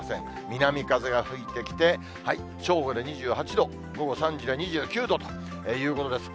南風が吹いてきて、正午で２８度、午後３時が２９度ということです。